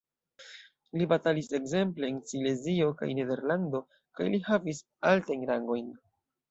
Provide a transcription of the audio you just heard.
Li batalis ekzemple en Silezio kaj Nederlando, kaj li havis altajn rangojn.